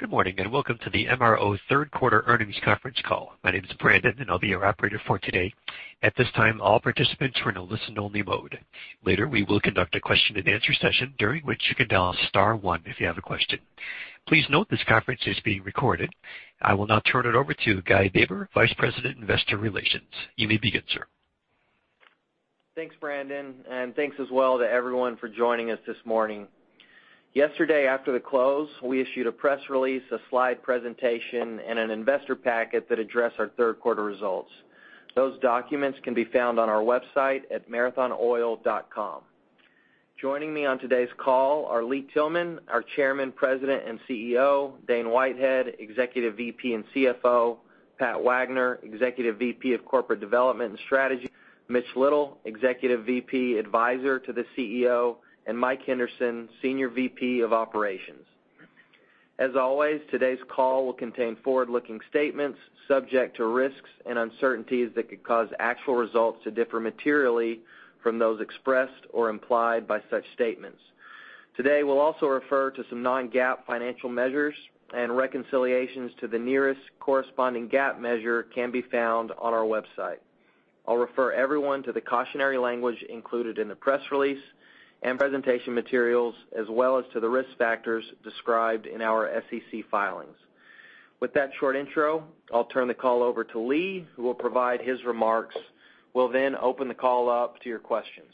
Good morning, and welcome to the MRO third quarter earnings conference call. My name is Brandon, and I'll be your operator for today. At this time, all participants are in a listen-only mode. Later, we will conduct a question-and-answer session, during which you can dial star one if you have a question. Please note this conference is being recorded. I will now turn it over to Guy Baber, Vice President, Investor Relations. You may begin, sir. Thanks, Brandon. Thanks as well to everyone for joining us this morning. Yesterday after the close, we issued a press release, a slide presentation, and an investor packet that address our third quarter results. Those documents can be found on our website at marathonoil.com. Joining me on today's call are Lee Tillman, our Chairman, President, and CEO, Dane Whitehead, Executive VP and CFO, Pat Wagner, Executive VP of Corporate Development and Strategy, Mitch Little, Executive VP Advisor to the CEO, and Mike Henderson, Senior VP of Operations. As always, today's call will contain forward-looking statements subject to risks and uncertainties that could cause actual results to differ materially from those expressed or implied by such statements. Today, we'll also refer to some non-GAAP financial measures, and reconciliations to the nearest corresponding GAAP measure can be found on our website. I'll refer everyone to the cautionary language included in the press release and presentation materials, as well as to the risk factors described in our SEC filings. With that short intro, I'll turn the call over to Lee, who will provide his remarks. We'll open the call up to your questions.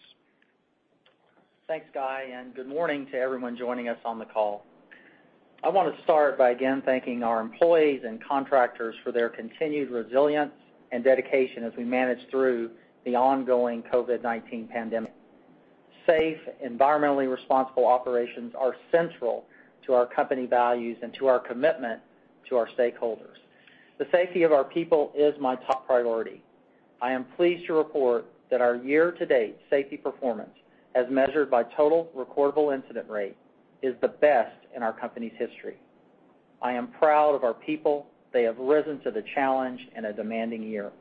Thanks, Guy. Good morning to everyone joining us on the call. I want to start by again thanking our employees and contractors for their continued resilience and dedication as we manage through the ongoing COVID-19 pandemic. Safe, environmentally responsible operations are central to our company values and to our commitment to our stakeholders. The safety of our people is my top priority. I am pleased to report that our year-to-date safety performance, as measured by total recordable incident rate, is the best in our company's history. I am proud of our people. They have risen to the challenge in a demanding year.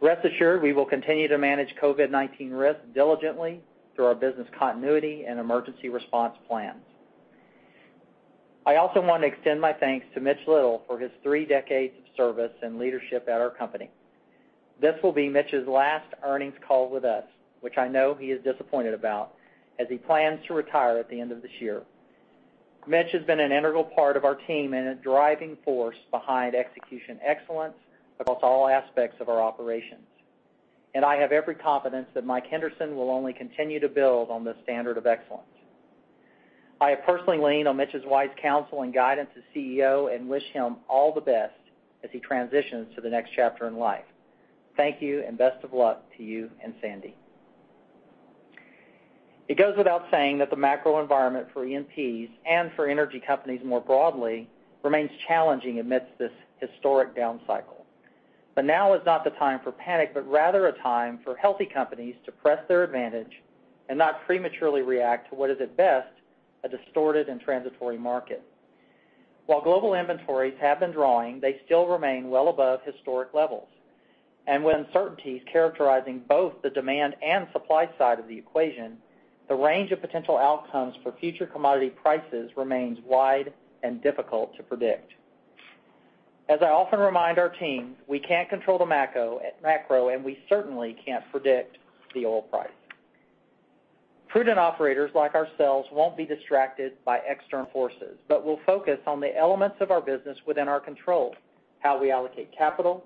Rest assured, we will continue to manage COVID-19 risks diligently through our business continuity and emergency response plans. I also want to extend my thanks to Mitch Little for his three decades of service and leadership at our company. This will be Mitch's last earnings call with us, which I know he is disappointed about, as he plans to retire at the end of this year. Mitch has been an integral part of our team and a driving force behind execution excellence across all aspects of our operations. I have every confidence that Mike Henderson will only continue to build on this standard of excellence. I have personally leaned on Mitch's wise counsel and guidance as CEO and wish him all the best as he transitions to the next chapter in life. Thank you, and best of luck to you and Sandy. It goes without saying that the macro environment for E&Ps, and for energy companies more broadly, remains challenging amidst this historic down cycle. Now is not the time for panic, but rather a time for healthy companies to press their advantage and not prematurely react to what is, at best, a distorted and transitory market. While global inventories have been drawing, they still remain well above historic levels. With uncertainties characterizing both the demand and supply side of the equation, the range of potential outcomes for future commodity prices remains wide and difficult to predict. As I often remind our teams, we can't control the macro, and we certainly can't predict the oil price. Prudent operators like ourselves won't be distracted by external forces, but will focus on the elements of our business within our control, how we allocate capital,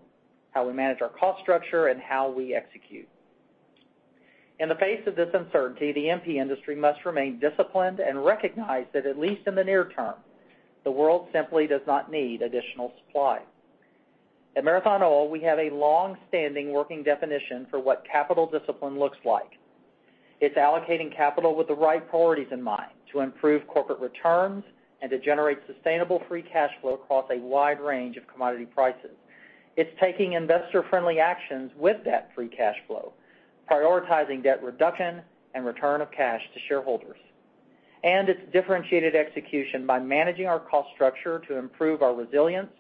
how we manage our cost structure, and how we execute. In the face of this uncertainty, the E&P industry must remain disciplined and recognize that at least in the near term, the world simply does not need additional supply. At Marathon Oil, we have a long-standing working definition for what capital discipline looks like. It's allocating capital with the right priorities in mind to improve corporate returns and to generate sustainable free cash flow across a wide range of commodity prices. It's taking investor-friendly actions with that free cash flow, prioritizing debt reduction and return of cash to shareholders. It's differentiated execution by managing our cost structure to improve our resilience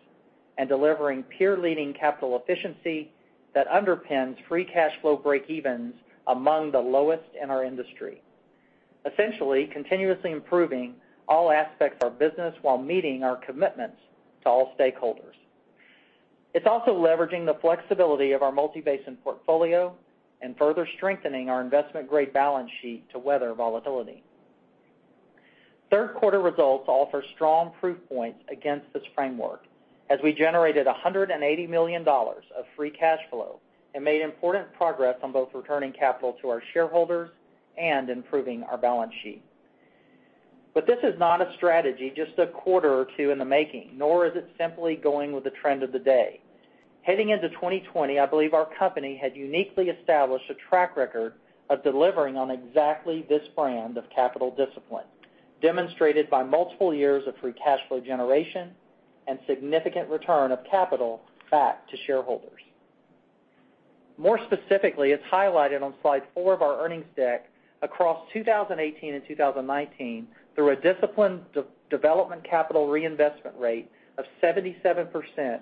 and delivering peer-leading capital efficiency that underpins free cash flow breakevens among the lowest in our industry. Essentially, continuously improving all aspects of our business while meeting our commitments to all stakeholders. It's also leveraging the flexibility of our multi-basin portfolio and further strengthening our investment-grade balance sheet to weather volatility. Third quarter results offer strong proof points against this framework, as we generated $180 million of free cash flow and made important progress on both returning capital to our shareholders and improving our balance sheet. This is not a strategy just a quarter or two in the making, nor is it simply going with the trend of the day. Heading into 2020, I believe our company had uniquely established a track record of delivering on exactly this brand of capital discipline, demonstrated by multiple years of free cash flow generation and significant return of capital back to shareholders. More specifically, as highlighted on slide four of our earnings deck, across 2018 and 2019, through a disciplined development CapEx reinvestment rate of 77%.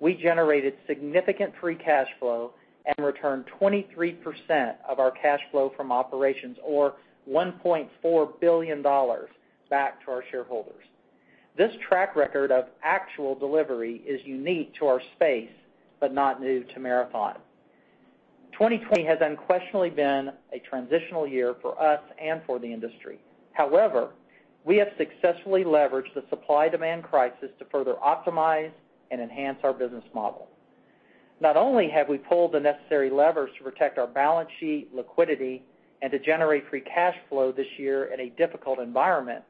We generated significant free cash flow and returned 23% of our cash flow from operations or $1.4 billion back to our shareholders. This track record of actual delivery is unique to our space, but not new to Marathon. 2020 has unquestionably been a transitional year for us and for the industry. We have successfully leveraged the supply-demand crisis to further optimize and enhance our business model. Not only have we pulled the necessary levers to protect our balance sheet liquidity and to generate free cash flow this year in a difficult environment,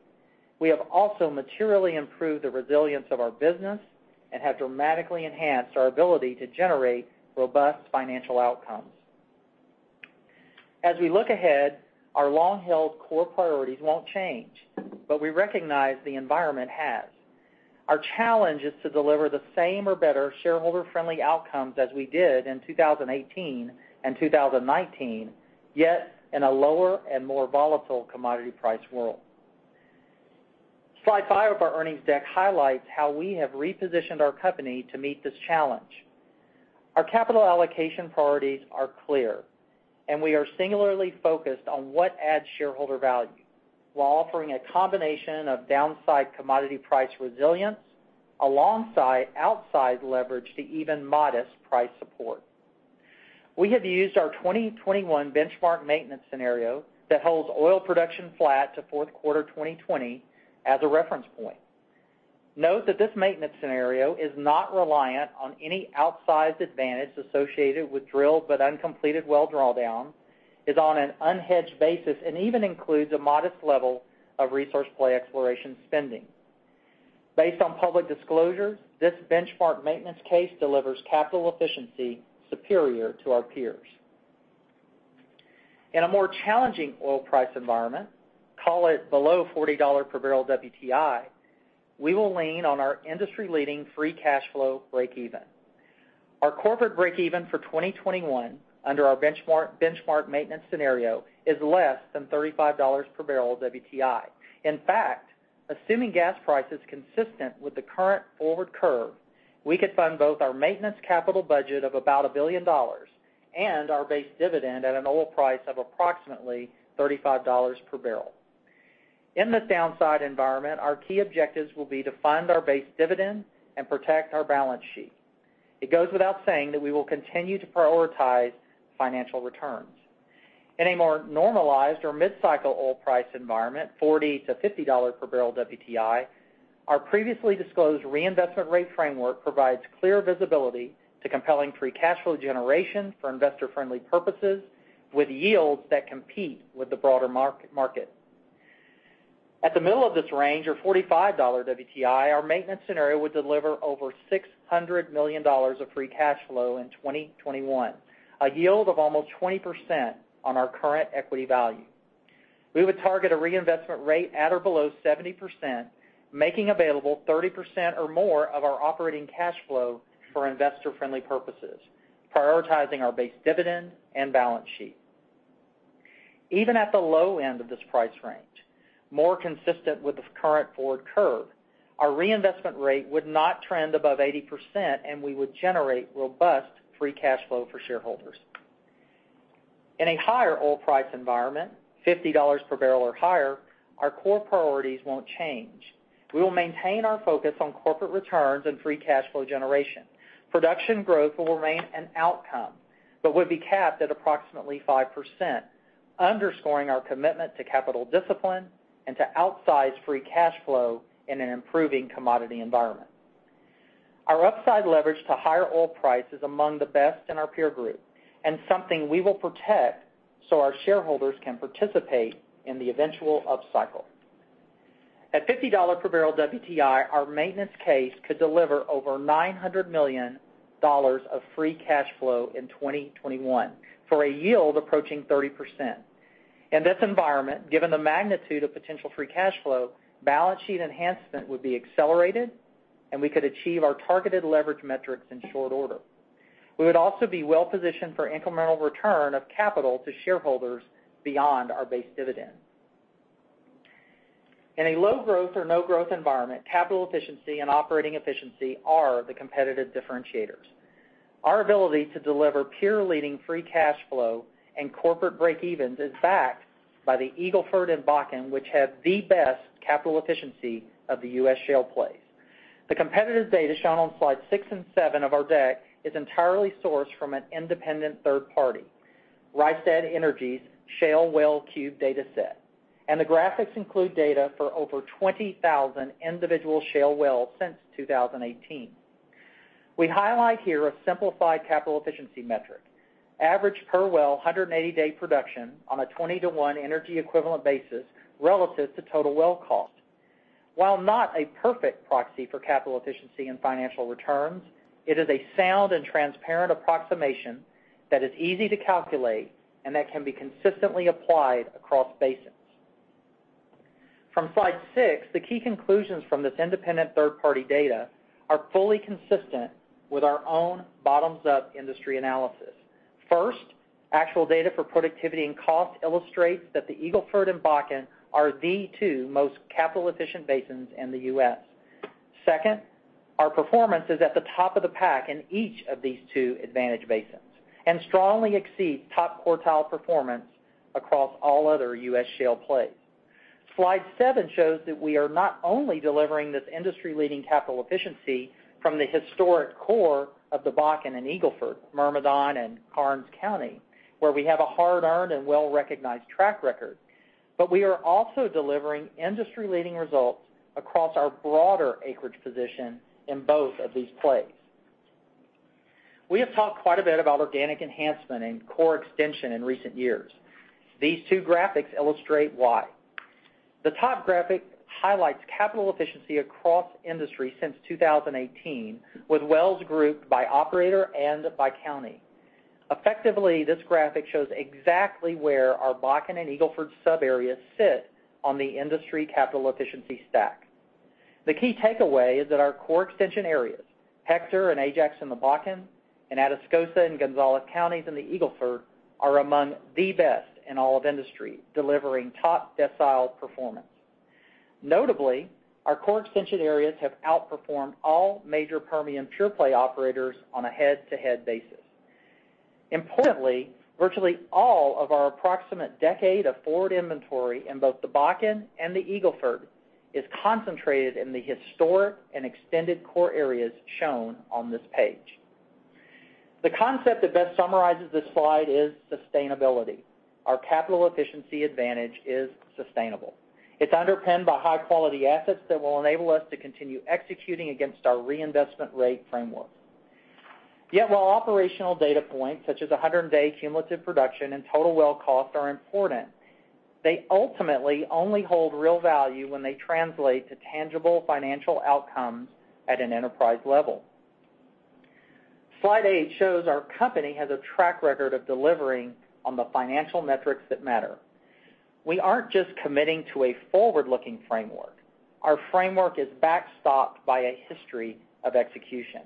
we have also materially improved the resilience of our business and have dramatically enhanced our ability to generate robust financial outcomes. As we look ahead, our long-held core priorities won't change, but we recognize the environment has. Our challenge is to deliver the same or better shareholder-friendly outcomes as we did in 2018 and 2019, yet in a lower and more volatile commodity price world. Slide five of our earnings deck highlights how we have repositioned our company to meet this challenge. Our capital allocation priorities are clear, and we are singularly focused on what adds shareholder value while offering a combination of downside commodity price resilience alongside outsized leverage to even modest price support. We have used our 2021 benchmark maintenance scenario that holds oil production flat to fourth quarter 2020 as a reference point. Note that this maintenance scenario is not reliant on any outsized advantage associated with drilled but uncompleted well drawdown, is on an unhedged basis, and even includes a modest level of resource play exploration spending. Based on public disclosures, this benchmark maintenance case delivers capital efficiency superior to our peers. In a more challenging oil price environment, call it below $40 per barrel WTI, we will lean on our industry-leading free cash flow breakeven. Our corporate breakeven for 2021 under our benchmark maintenance scenario is less than $35 per barrel WTI. In fact, assuming gas prices consistent with the current forward curve, we could fund both our maintenance capital budget of about $1 billion and our base dividend at an oil price of approximately $35 per barrel. In this downside environment, our key objectives will be to fund our base dividend and protect our balance sheet. It goes without saying that we will continue to prioritize financial returns. In a more normalized or mid-cycle oil price environment, $40-$50 per barrel WTI, our previously disclosed reinvestment rate framework provides clear visibility to compelling free cash flow generation for investor-friendly purposes with yields that compete with the broader market. At the middle of this range or $45 WTI, our maintenance scenario would deliver over $600 million of free cash flow in 2021, a yield of almost 20% on our current equity value. We would target a reinvestment rate at or below 70%, making available 30%+ of our operating cash flow for investor-friendly purposes, prioritizing our base dividend and balance sheet. Even at the low end of this price range, more consistent with the current forward curve, our reinvestment rate would not trend above 80%, and we would generate robust free cash flow for shareholders. In a higher oil price environment, $50 per barrel or higher, our core priorities won't change. We will maintain our focus on corporate returns and free cash flow generation. Production growth will remain an outcome, but would be capped at approximately 5%, underscoring our commitment to capital discipline and to outsize free cash flow in an improving commodity environment. Our upside leverage to higher oil price is among the best in our peer group and something we will protect so our shareholders can participate in the eventual upcycle. At $50 per barrel WTI, our maintenance case could deliver over $900 million of free cash flow in 2021 for a yield approaching 30%. In this environment, given the magnitude of potential free cash flow, balance sheet enhancement would be accelerated, and we could achieve our targeted leverage metrics in short order. We would also be well-positioned for incremental return of capital to shareholders beyond our base dividend. In a low growth or no growth environment, capital efficiency and operating efficiency are the competitive differentiators. Our ability to deliver peer-leading free cash flow and corporate breakevens is backed by the Eagle Ford and Bakken, which have the best capital efficiency of the U.S. shale plays. The competitive data shown on slide six and seven of our deck is entirely sourced from an independent third party, Rystad Energy's ShaleWellCube dataset, and the graphics include data for over 20,000 individual shale wells since 2018. We highlight here a simplified capital efficiency metric, average per well 180-day production on a 20:1 energy equivalent basis relative to total well cost. While not a perfect proxy for capital efficiency and financial returns, it is a sound and transparent approximation that is easy to calculate and that can be consistently applied across basins. From slide six, the key conclusions from this independent third-party data are fully consistent with our own bottoms-up industry analysis. First-Actual data for productivity and cost illustrates that the Eagle Ford and Bakken are the two most capital-efficient basins in the U.S. Second, our performance is at the top of the pack in each of these two advantage basins and strongly exceeds top quartile performance across all other U.S. shale plays. Slide seven shows that we are not only delivering this industry-leading capital efficiency from the historic core of the Bakken and Eagle Ford, Meramec and Karnes County, where we have a hard-earned and well-recognized track record, but we are also delivering industry-leading results across our broader acreage position in both of these plays. We have talked quite a bit about organic enhancement and core extension in recent years. These two graphics illustrate why. The top graphic highlights capital efficiency across industry since 2018, with wells grouped by operator and by county. Effectively, this graphic shows exactly where our Bakken and Eagle Ford subareas sit on the industry capital efficiency stack. The key takeaway is that our core extension areas, Hector and Ajax in the Bakken, and Atascosa and Gonzales Counties in the Eagle Ford, are among the best in all of industry, delivering top decile performance. Notably, our core extension areas have outperformed all major Permian pure-play operators on a head-to-head basis. Importantly, virtually all of our approximate decade of forward inventory in both the Bakken and the Eagle Ford is concentrated in the historic and extended core areas shown on this page. The concept that best summarizes this slide is sustainability. Our capital efficiency advantage is sustainable. It's underpinned by high-quality assets that will enable us to continue executing against our reinvestment rate framework. Yet, while operational data points such as 100-day cumulative production and total well cost are important, they ultimately only hold real value when they translate to tangible financial outcomes at an enterprise level. Slide eight shows our company has a track record of delivering on the financial metrics that matter. We aren't just committing to a forward-looking framework. Our framework is backstopped by a history of execution.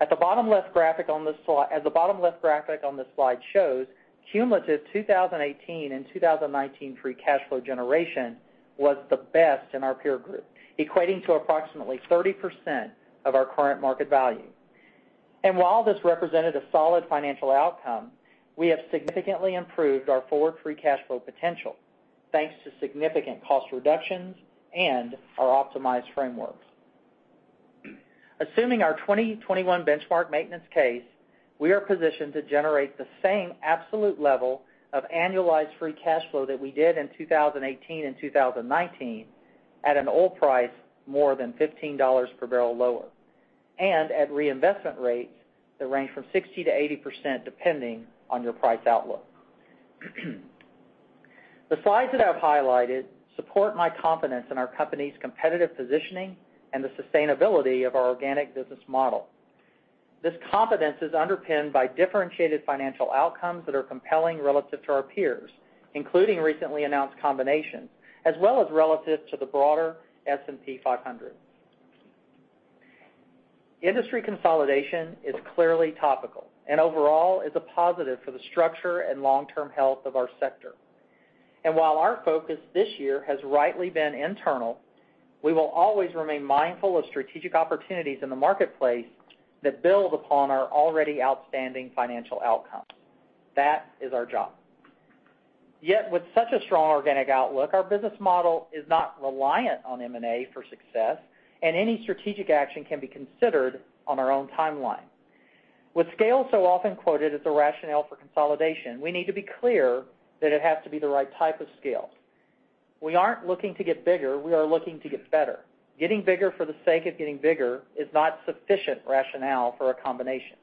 As the bottom left graphic on this slide shows, cumulative 2018 and 2019 free cash flow generation was the best in our peer group, equating to approximately 30% of our current market value. While this represented a solid financial outcome, we have significantly improved our forward free cash flow potential, thanks to significant cost reductions and our optimized frameworks. Assuming our 2021 benchmark maintenance case, we are positioned to generate the same absolute level of annualized free cash flow that we did in 2018 and 2019 at an oil price more than $15 per barrel lower, and at reinvestment rates that range from 60%-80%, depending on your price outlook. The slides that I've highlighted support my confidence in our company's competitive positioning and the sustainability of our organic business model. This confidence is underpinned by differentiated financial outcomes that are compelling relative to our peers, including recently announced combinations, as well as relative to the broader S&P 500. Industry consolidation is clearly topical and overall is a positive for the structure and long-term health of our sector. While our focus this year has rightly been internal, we will always remain mindful of strategic opportunities in the marketplace that build upon our already outstanding financial outcomes. That is our job. Yet, with such a strong organic outlook, our business model is not reliant on M&A for success, and any strategic action can be considered on our own timeline. With scale so often quoted as a rationale for consolidation, we need to be clear that it has to be the right type of scale. We aren't looking to get bigger. We are looking to get better. Getting bigger for the sake of getting bigger is not sufficient rationale for a combination.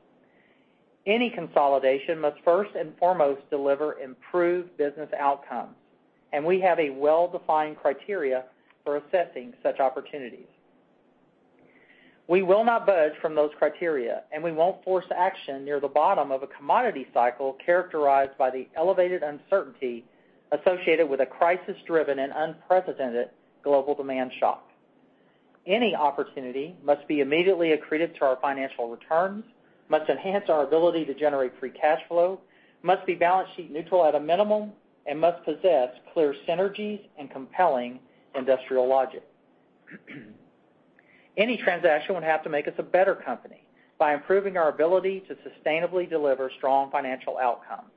Any consolidation must first and foremost deliver improved business outcomes, and we have a well-defined criteria for assessing such opportunities. We will not budge from those criteria, and we won't force action near the bottom of a commodity cycle characterized by the elevated uncertainty associated with a crisis-driven and unprecedented global demand shock. Any opportunity must be immediately accretive to our financial returns, must enhance our ability to generate free cash flow, must be balance sheet neutral at a minimum, and must possess clear synergies and compelling industrial logic. Any transaction would have to make us a better company by improving our ability to sustainably deliver strong financial outcomes.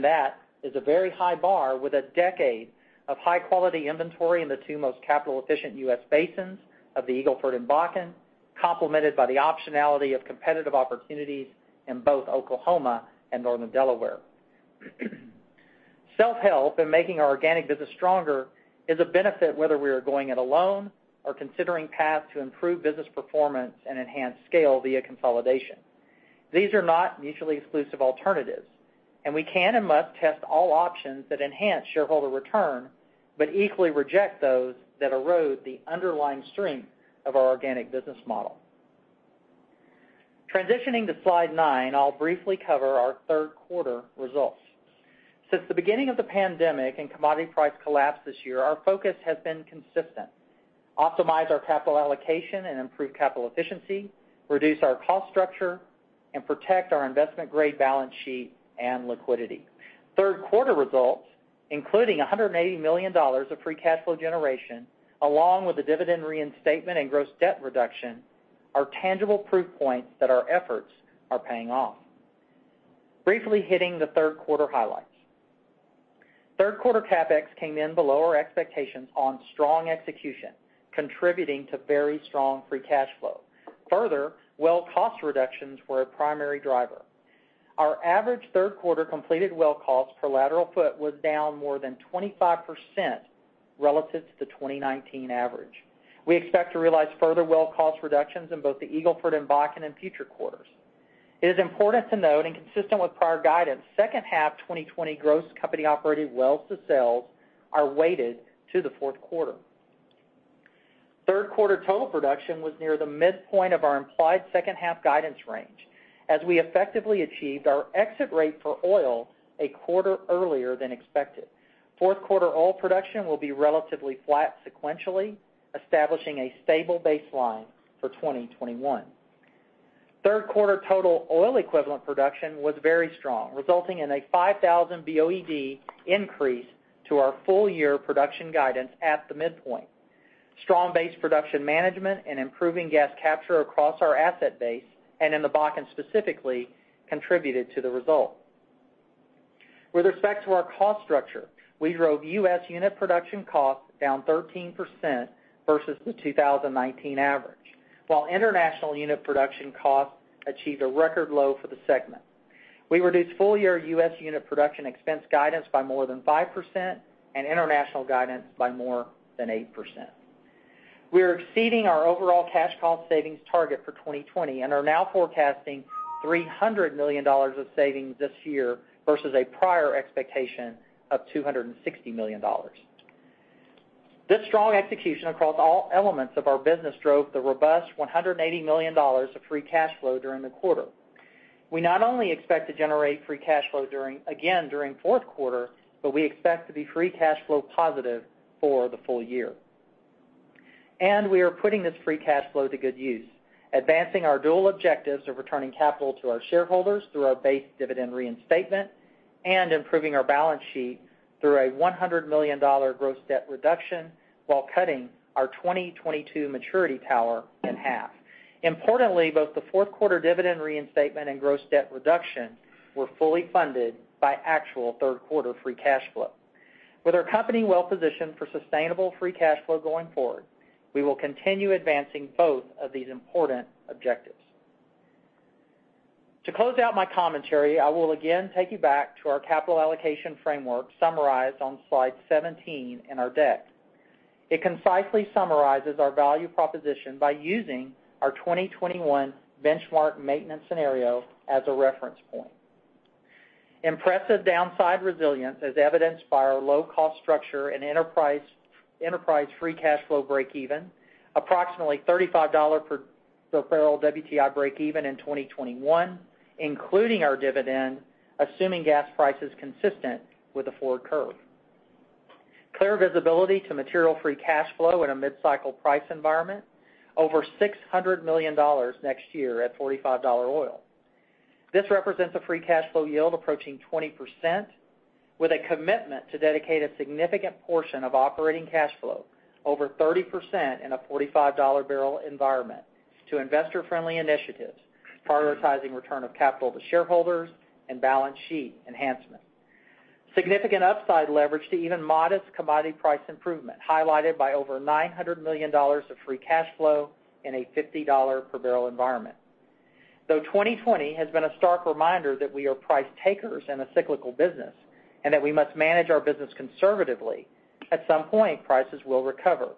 That is a very high bar with a decade of high-quality inventory in the two most capital-efficient U.S. basins of the Eagle Ford and Bakken, complemented by the optionality of competitive opportunities in both Oklahoma and Northern Delaware. Self-help and making our organic business stronger is a benefit whether we are going it alone or considering paths to improve business performance and enhance scale via consolidation. These are not mutually exclusive alternatives, and we can and must test all options that enhance shareholder return but equally reject those that erode the underlying strength of our organic business model. Transitioning to slide nine, I'll briefly cover our third quarter results. Since the beginning of the pandemic and commodity price collapse this year, our focus has been consistent. Optimize our capital allocation and improve capital efficiency, reduce our cost structure, and protect our investment-grade balance sheet and liquidity. Third quarter results, including $180 million of free cash flow generation, along with the dividend reinstatement and gross debt reduction, are tangible proof points that our efforts are paying off. Briefly hitting the third quarter highlights. Third quarter CapEx came in below our expectations on strong execution, contributing to very strong free cash flow. Further, well cost reductions were a primary driver. Our average third quarter completed well cost per lateral foot was down more than 25% relative to the 2019 average. We expect to realize further well cost reductions in both the Eagle Ford and Bakken in future quarters. It is important to note, and consistent with prior guidance, second half 2020 gross company operated wells to sells are weighted to the fourth quarter. Third quarter total production was near the midpoint of our implied second half guidance range, as we effectively achieved our exit rate for oil a quarter earlier than expected. Fourth quarter oil production will be relatively flat sequentially, establishing a stable baseline for 2021. Third quarter total oil equivalent production was very strong, resulting in a 5,000 BOED increase to our full-year production guidance at the midpoint. Strong base production management and improving gas capture across our asset base, and in the Bakken specifically, contributed to the result. With respect to our cost structure, we drove U.S. unit production costs down 13% versus the 2019 average, while international unit production costs achieved a record low for the segment. We reduced full-year U.S. unit production expense guidance by more than 5%, and international guidance by more than 8%. We are exceeding our overall cash cost savings target for 2020, and are now forecasting $300 million of savings this year versus a prior expectation of $260 million. This strong execution across all elements of our business drove the robust $180 million of free cash flow during the quarter. We not only expect to generate free cash flow again during fourth quarter, but we expect to be free cash flow positive for the full year. We are putting this free cash flow to good use, advancing our dual objectives of returning capital to our shareholders through our base dividend reinstatement, and improving our balance sheet through a $100 million gross debt reduction while cutting our 2022 maturity tower in half. Importantly, both the fourth quarter dividend reinstatement and gross debt reduction were fully funded by actual third quarter free cash flow. With our company well-positioned for sustainable free cash flow going forward, we will continue advancing both of these important objectives. To close out my commentary, I will again take you back to our capital allocation framework summarized on slide 17 in our deck. It concisely summarizes our value proposition by using our 2021 benchmark maintenance scenario as a reference point. Impressive downside resilience, as evidenced by our low-cost structure and enterprise free cash flow breakeven, approximately $35 per barrel WTI breakeven in 2021, including our dividend, assuming gas prices consistent with the forward curve. Clear visibility to material free cash flow in a mid-cycle price environment, over $600 million next year at $45 oil. This represents a free cash flow yield approaching 20%, with a commitment to dedicate a significant portion of operating cash flow, over 30% in a $45 barrel environment, to investor-friendly initiatives prioritizing return of capital to shareholders and balance sheet enhancement. Significant upside leverage to even modest commodity price improvement, highlighted by over $900 million of free cash flow in a $50 per barrel environment. Though 2020 has been a stark reminder that we are price takers in a cyclical business, that we must manage our business conservatively, at some point, prices will recover.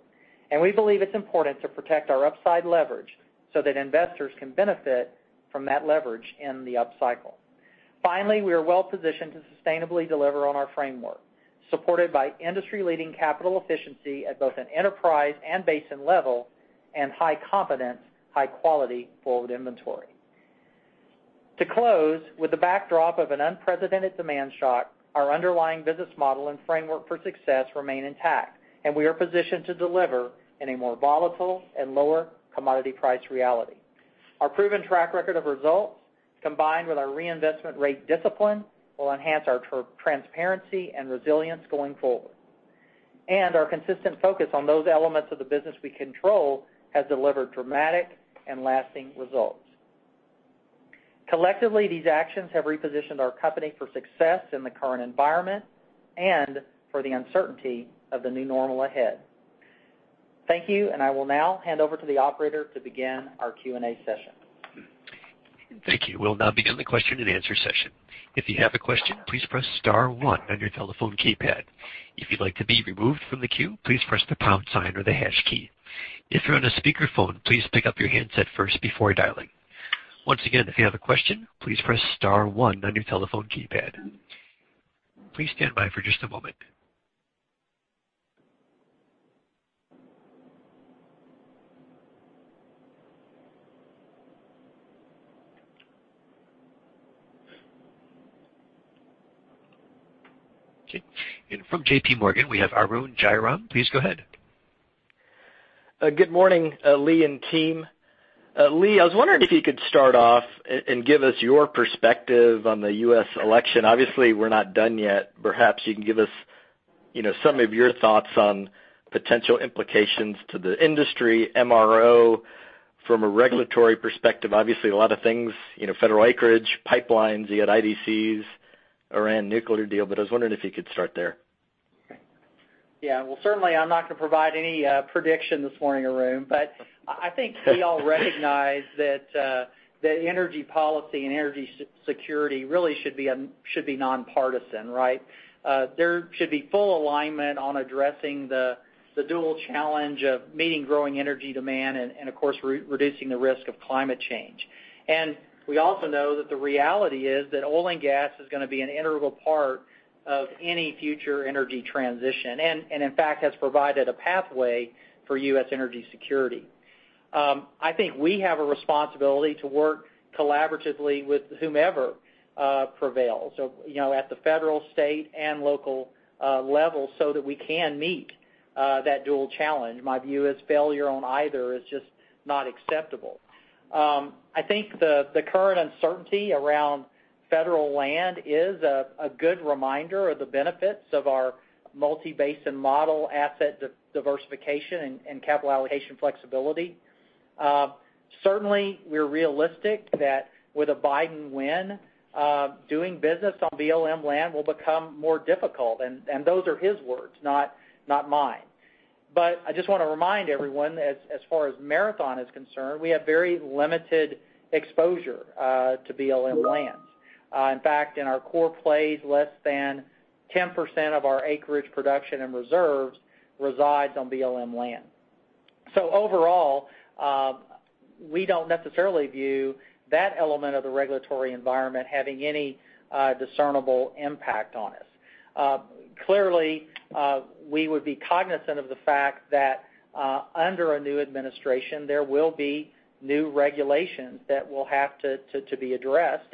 We believe it's important to protect our upside leverage so that investors can benefit from that leverage in the upcycle. Finally, we are well-positioned to sustainably deliver on our framework, supported by industry-leading capital efficiency at both an enterprise and basin level, and high-confidence, high-quality forward inventory. To close, with the backdrop of an unprecedented demand shock, our underlying business model and framework for success remain intact, and we are positioned to deliver in a more volatile and lower commodity price reality. Our proven track record of results, combined with our reinvestment rate discipline, will enhance our transparency and resilience going forward. Our consistent focus on those elements of the business we control has delivered dramatic and lasting results. Collectively, these actions have repositioned our company for success in the current environment and for the uncertainty of the new normal ahead. Thank you. I will now hand over to the operator to begin our Q&A session. Thank you. Okay. From JPMorgan, we have Arun Jayaram. Please go ahead. Good morning, Lee and team. Lee, I was wondering if you could start off and give us your perspective on the U.S. election. Obviously, we're not done yet. Perhaps you can give us some of your thoughts on potential implications to the industry, MRO from a regulatory perspective. Obviously, a lot of things, federal acreage, pipelines, you had IDCs Iran nuclear deal. I was wondering if you could start there. Well, certainly I'm not going to provide any prediction this morning, Arun. I think we all recognize that energy policy and energy security really should be nonpartisan, right? There should be full alignment on addressing the dual challenge of meeting growing energy demand and of course, reducing the risk of climate change. We also know that the reality is that oil and gas is going to be an integral part of any future energy transition, and in fact, has provided a pathway for U.S. energy security. I think we have a responsibility to work collaboratively with whomever prevails at the federal, state, and local level so that we can meet that dual challenge. My view is failure on either is just not acceptable. I think the current uncertainty around federal land is a good reminder of the benefits of our multi-basin model asset diversification and capital allocation flexibility. Certainly, we're realistic that with a Biden win, doing business on BLM land will become more difficult. Those are his words, not mine. I just want to remind everyone, as far as Marathon is concerned, we have very limited exposure to BLM lands. In fact, in our core plays, less than 10% of our acreage production and reserves resides on BLM land. Overall, we don't necessarily view that element of the regulatory environment having any discernible impact on us. Clearly, we would be cognizant of the fact that under a new administration, there will be new regulations that will have to be addressed.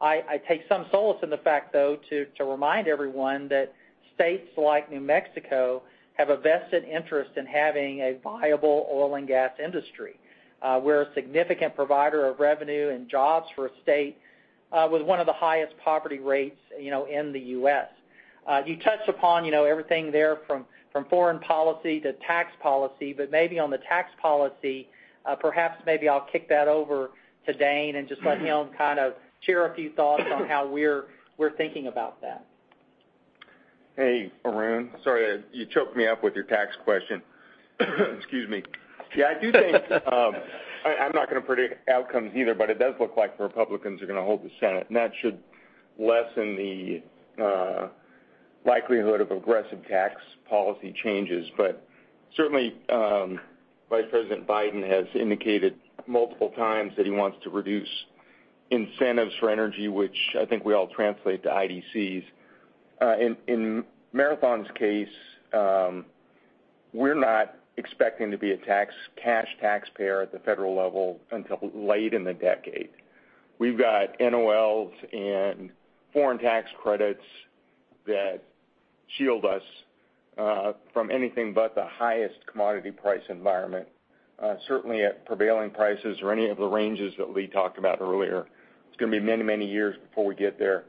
I take some solace in the fact, though, to remind everyone that states like New Mexico have a vested interest in having a viable oil and gas industry. We're a significant provider of revenue and jobs for a state with one of the highest poverty rates in the U.S. You touched upon everything there from foreign policy to tax policy, but maybe on the tax policy, perhaps maybe I'll kick that over to Dane and just let him kind of share a few thoughts on how we're thinking about that. Hey, Arun. Sorry you choked me up with your tax question. Excuse me. Yeah, I do think, I'm not going to predict outcomes either, but it does look like the Republicans are going to hold the Senate, and that should lessen the likelihood of aggressive tax policy changes. Certainly, Vice President Biden has indicated multiple times that he wants to reduce incentives for energy, which I think we all translate to IDCs. In Marathon's case, we're not expecting to be a cash taxpayer at the federal level until late in the decade. We've got NOLs and foreign tax credits that shield us from anything but the highest commodity price environment. Certainly at prevailing prices or any of the ranges that Lee talked about earlier, it's going to be many, many years before we get there.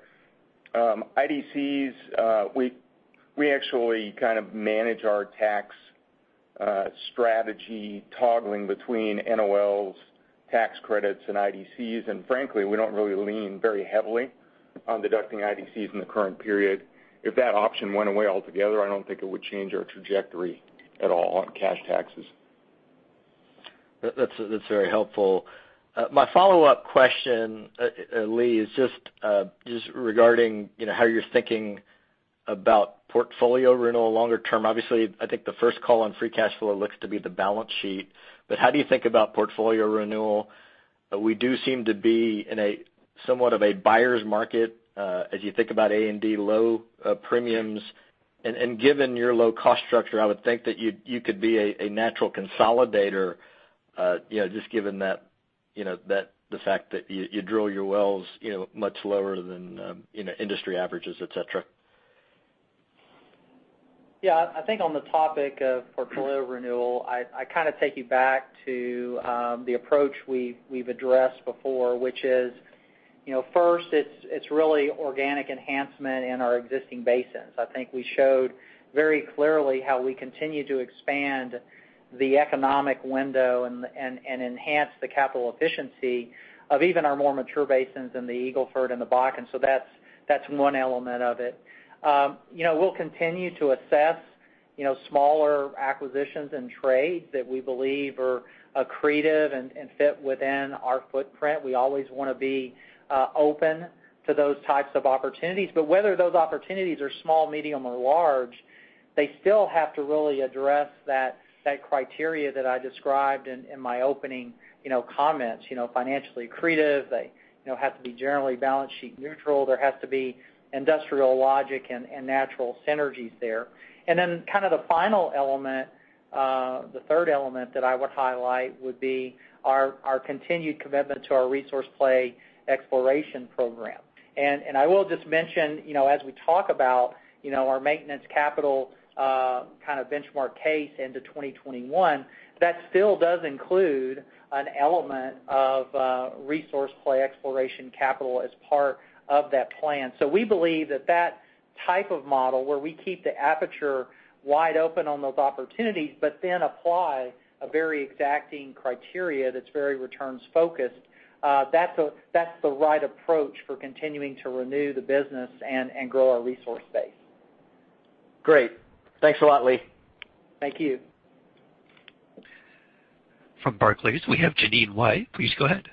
IDCs, we actually kind of manage our tax strategy, toggling between NOLs, tax credits, and IDCs, and frankly, we don't really lean very heavily on deducting IDCs in the current period. If that option went away altogether, I don't think it would change our trajectory at all on cash taxes. That's very helpful. My follow-up question, Lee, is just regarding how you're thinking about portfolio renewal longer term. Obviously, I think the first call on free cash flow looks to be the balance sheet, but how do you think about portfolio renewal? We do seem to be in somewhat of a buyer's market as you think about A&D low premiums. Given your low cost structure, I would think that you could be a natural consolidator just given the fact that you drill your wells much lower than industry averages, et cetera. Yeah. I think on the topic of portfolio renewal, I kind of take you back to the approach we've addressed before, which is first, it's really organic enhancement in our existing basins. I think we showed very clearly how we continue to expand the economic window and enhance the capital efficiency of even our more mature basins in the Eagle Ford and the Bakken. That's one element of it. We'll continue to assess smaller acquisitions and trades that we believe are accretive and fit within our footprint. We always want to be open to those types of opportunities. Whether those opportunities are small, medium, or large, they still have to really address that criteria that I described in my opening comments. Financially accretive, they have to be generally balance sheet neutral. There has to be industrial logic and natural synergies there. The third element that I would highlight would be our continued commitment to our resource play exploration program. I will just mention, as we talk about our maintenance capital kind of benchmark case into 2021, that still does include an element of resource play exploration capital as part of that plan. We believe that type of model, where we keep the aperture wide open on those opportunities, but then apply a very exacting criteria that's very returns-focused, that's the right approach for continuing to renew the business and grow our resource base. Great. Thanks a lot, Lee. Thank you. From Barclays, we have Jeanine Wai. Please go ahead.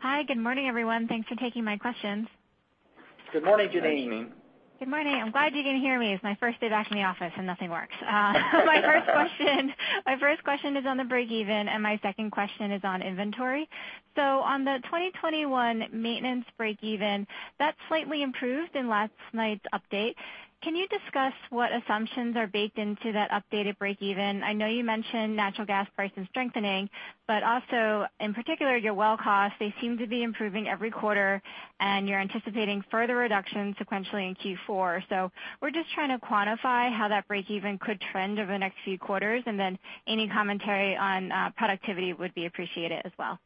Hi. Good morning, everyone. Thanks for taking my questions. Good morning, Jeanine. Good morning. Good morning. I'm glad you can hear me. It's my first day back in the office, and nothing works. My first question is on the breakeven, and my second question is on inventory. On the 2021 maintenance breakeven, that slightly improved in last night's update. Can you discuss what assumptions are baked into that updated breakeven? I know you mentioned natural gas prices strengthening, but also, in particular, your well costs, they seem to be improving every quarter, and you're anticipating further reductions sequentially in Q4. We're just trying to quantify how that breakeven could trend over the next few quarters, and then any commentary on productivity would be appreciated as well.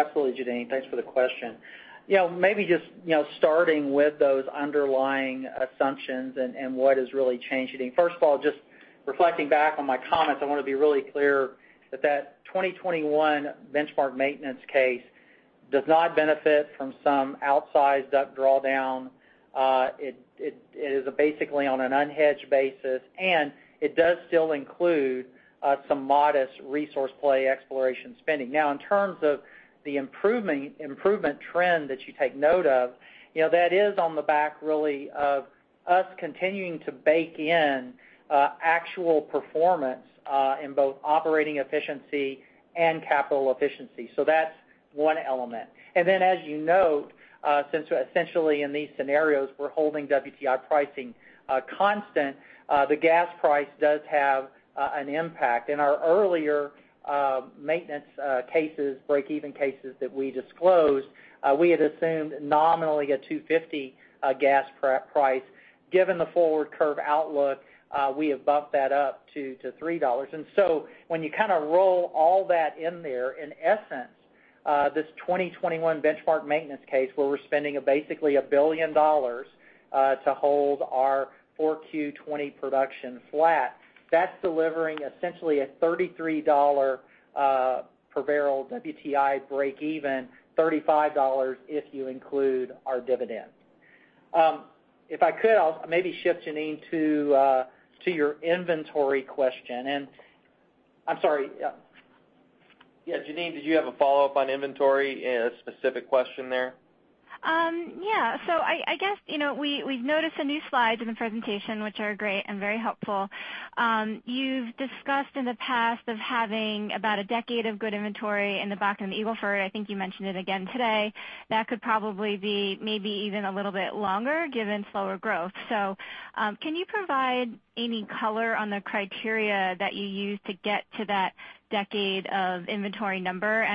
Absolutely, Jeanine. Thanks for the question. Maybe just starting with those underlying assumptions and what has really changed. First of all, just reflecting back on my comments, I want to be really clear that that 2021 benchmark maintenance case does not benefit from some outsized DUC drawdown. It is basically on an unhedged basis, it does still include some modest resource play exploration spending. In terms of the improvement trend that you take note of, that is on the back really of us continuing to bake in actual performance in both operating efficiency and capital efficiency. That's one element. As you note, since essentially in these scenarios we're holding WTI pricing constant, the gas price does have an impact. In our earlier maintenance cases, breakeven cases that we disclosed, we had assumed nominally a $2.50 gas price. Given the forward curve outlook, we have bumped that up to $3. When you kind of roll all that in there, in essence, this 2021 benchmark maintenance case, where we're spending basically $1 billion to hold our Q4 2020 production flat, that's delivering essentially a $33 per barrel WTI breakeven, $35 if you include our dividend. If I could, I'll maybe shift, Jeanine, to your inventory question, and I'm sorry. Yeah, Jeanine, did you have a follow-up on inventory, a specific question there? Yeah. I guess, we've noticed some new slides in the presentation, which are great and very helpful. You've discussed in the past of having about a decade of good inventory in the Bakken and the Eagle Ford. I think you mentioned it again today. That could probably be maybe even a little bit longer, given slower growth. Can you provide any color on the criteria that you use to get to that decade of inventory number?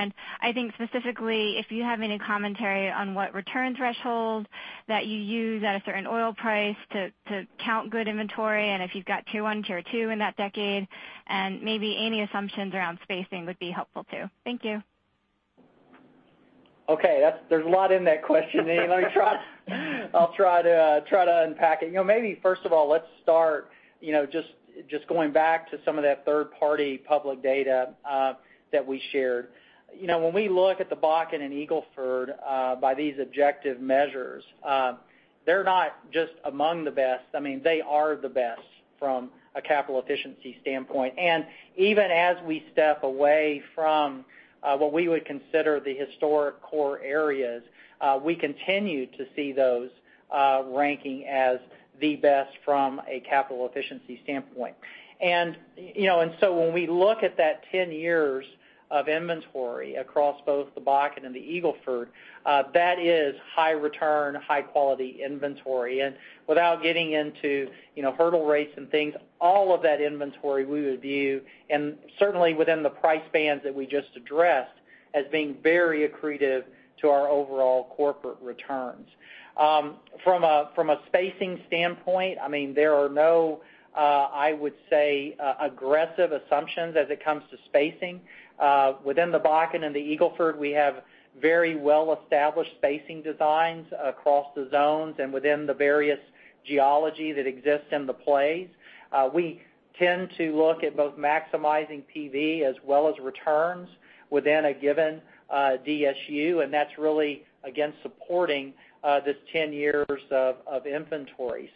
I think specifically, if you have any commentary on what return threshold that you use at a certain oil price to count good inventory, and if you've got tier 1, tier 2 in that decade, and maybe any assumptions around spacing would be helpful, too. Thank you. Okay. There's a lot in that question, Jeanine. I'll try to unpack it. Maybe first of all, let's start just going back to some of that third-party public data that we shared. When we look at the Bakken and Eagle Ford by these objective measures, they're not just among the best. They are the best from a capital efficiency standpoint. Even as we step away from what we would consider the historic core areas, we continue to see those ranking as the best from a capital efficiency standpoint. When we look at that 10 years of inventory across both the Bakken and the Eagle Ford, that is high return, high quality inventory. Without getting into hurdle rates and things, all of that inventory we would view, and certainly within the price bands that we just addressed, as being very accretive to our overall corporate returns. From a spacing standpoint, there are no, I would say, aggressive assumptions as it comes to spacing. Within the Bakken and the Eagle Ford, we have very well-established spacing designs across the zones and within the various geology that exists in the plays. We tend to look at both maximizing PV as well as returns within a given DSU, and that's really, again, supporting this 10 years of inventory.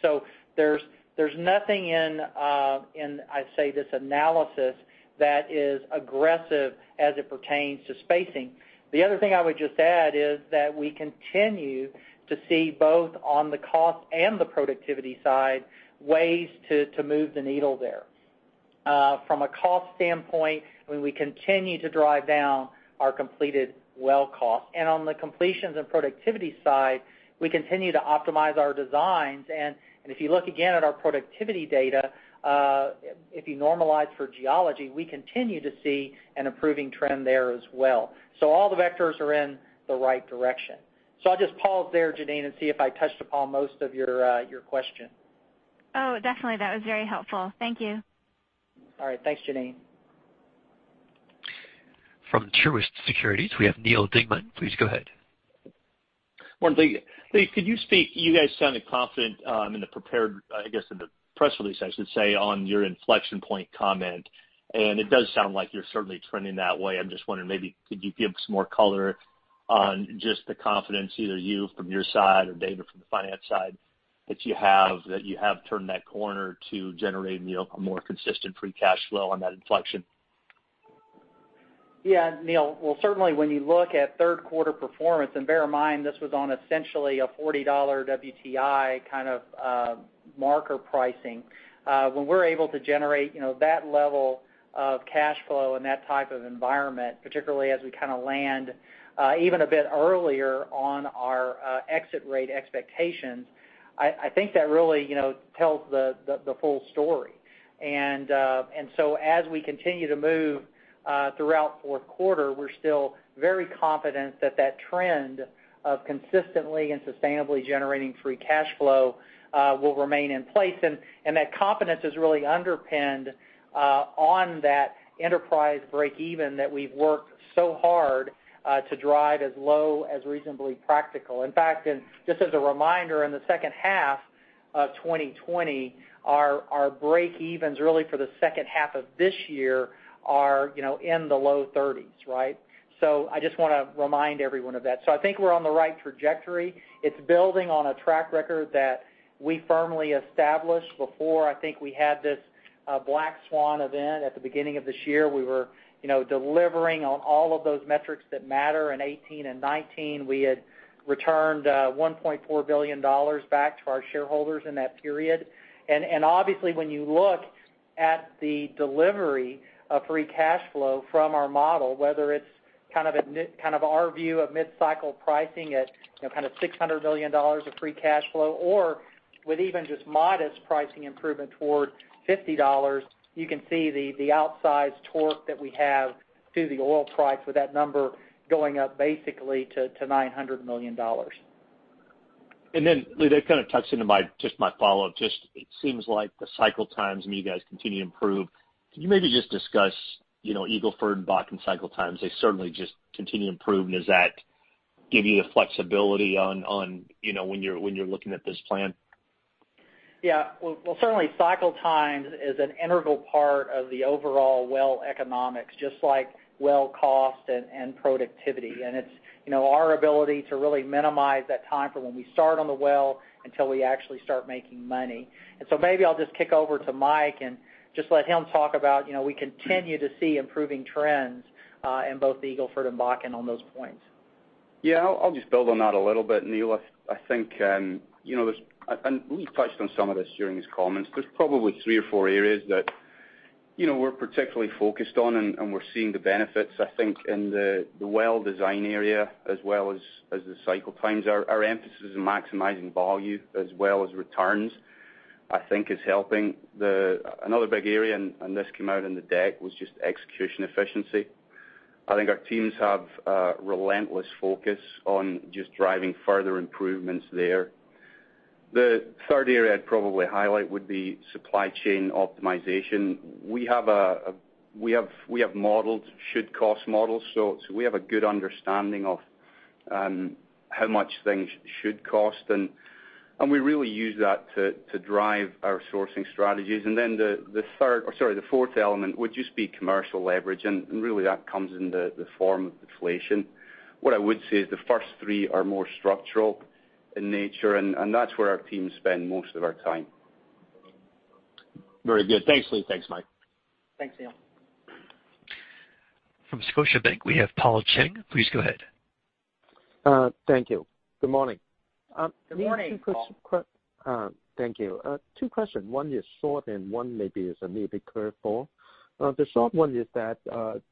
There's nothing in, I'd say, this analysis that is aggressive as it pertains to spacing. The other thing I would just add is that we continue to see both on the cost and the productivity side ways to move the needle there. From a cost standpoint, we continue to drive down our completed well cost. On the completions and productivity side, we continue to optimize our designs. If you look again at our productivity data, if you normalize for geology, we continue to see an improving trend there as well. All the vectors are in the right direction. I'll just pause there, Jeanine, and see if I touched upon most of your question. Oh, definitely. That was very helpful. Thank you. All right. Thanks, Jeanine. From Truist Securities, we have Neal Dingmann. Please go ahead. Morning. Lee, could you. You guys sounded confident in the prepared, I guess, in the press release, I should say, on your inflection point comment, and it does sound like you're certainly trending that way. I'm just wondering, maybe could you give some more color on just the confidence, either you from your side or Dane from the finance side, that you have turned that corner to generating a more consistent free cash flow on that inflection? Yeah, Neal, well, certainly when you look at third quarter performance, bear in mind, this was on essentially a $40 WTI kind of marker pricing. When we're able to generate that level of cash flow in that type of environment, particularly as we kind of land even a bit earlier on our exit rate expectations, I think that really tells the full story. As we continue to move throughout fourth quarter, we're still very confident that trend of consistently and sustainably generating free cash flow will remain in place. That confidence is really underpinned on that enterprise break-even that we've worked so hard to drive as low as reasonably practical. In fact, just as a reminder, in the second half of 2020, our break-evens really for the second half of this year are in the low 30s, right. I just want to remind everyone of that. I think we're on the right trajectory. It's building on a track record that we firmly established before. I think we had this black swan event at the beginning of this year. We were delivering on all of those metrics that matter in 2018 and 2019. We had returned $1.4 billion back to our shareholders in that period. Obviously, when you look at the delivery of free cash flow from our model, whether it's kind of our view of mid-cycle pricing at kind of $600 million of free cash flow, or with even just modest pricing improvement toward $50, you can see the outsized torque that we have to the oil price with that number going up basically to $900 million. Lee, that kind of touched into just my follow-up. It seems like the cycle times, I mean, you guys continue to improve. Can you maybe just discuss Eagle Ford and Bakken cycle times? They certainly just continue to improve. Does that give you the flexibility on when you're looking at this plan? Yeah. Well, certainly, cycle times is an integral part of the overall well economics, just like well cost and productivity. It's our ability to really minimize that time from when we start on the well until we actually start making money. Maybe I'll just kick over to Mike and just let him talk about we continue to see improving trends in both Eagle Ford and Bakken on those points. Yeah. I'll just build on that a little bit, Neal. I think Lee touched on some of this during his comments. There's probably three or four areas that we're particularly focused on, we're seeing the benefits, I think, in the well design area as well as the cycle times. Our emphasis on maximizing value as well as returns, I think is helping. Another big area, and this came out in the deck, was just execution efficiency. I think our teams have a relentless focus on just driving further improvements there. The third area I'd probably highlight would be supply chain optimization. We have models, should-cost models. We have a good understanding of how much things should cost, and we really use that to drive our sourcing strategies. The fourth element would just be commercial leverage, and really that comes in the form of deflation. What I would say is the first three are more structural in nature, and that's where our teams spend most of our time. Very good. Thanks, Lee. Thanks, Mike. Thanks, Neal. From Scotiabank, we have Paul Cheng. Please go ahead. Thank you. Good morning. Good morning, Paul. Thank you. Two questions. One is short, and one maybe is a little bit curveball. The short one is that